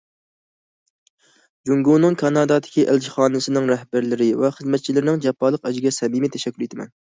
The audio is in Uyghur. جۇڭگونىڭ كانادادىكى ئەلچىخانىسىنىڭ رەھبەرلىرى ۋە خىزمەتچىلىرىنىڭ جاپالىق ئەجرىگە سەمىمىي تەشەككۈر ئېيتىمەن!